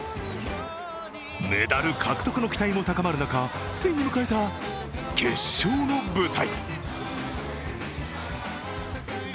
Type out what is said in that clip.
メダルの期待も高まる中、ついに迎えた決勝の舞台。